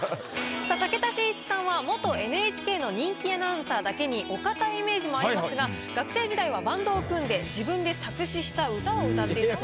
さあ武田真一さんは元ＮＨＫの人気アナウンサーだけにお堅いイメージもありますが学生時代はバンドを組んで自分で作詞した歌を歌っていたそうです。